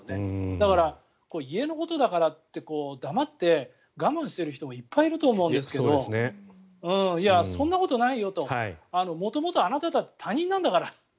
だから、家のことだからって黙って我慢している人もいっぱいいると思うんですけどいや、そんなことないよと元々あなただって他人なんだから。